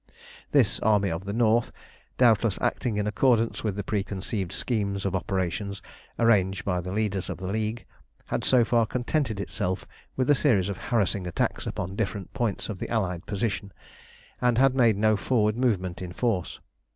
This Army of the North, doubtless acting in accordance with the preconceived schemes of operations arranged by the leaders of the League, had so far contented itself with a series of harassing attacks upon different points of the Allied position, and had made no forward movement in force.